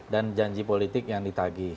dan janji politik yang ditagi